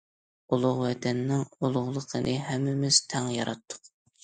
ئۇلۇغ ۋەتەننىڭ ئۇلۇغلۇقىنى ھەممىمىز تەڭ ياراتتۇق.